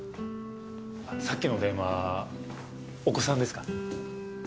さっきの電話お子さんですか？